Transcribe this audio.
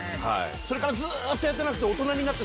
それからずっとやってなくて。